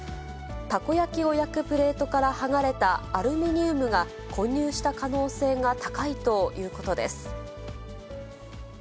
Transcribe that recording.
たこ焼きを焼くプレートから剥がれたアルミニウムが、混入した可能性が高いということです。